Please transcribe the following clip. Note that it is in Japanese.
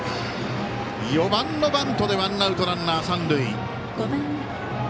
４番のバントでワンアウトランナー、三塁。